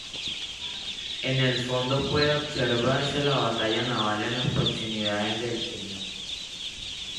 En el fondo puede observarse la batalla naval en las proximidades del Peñón.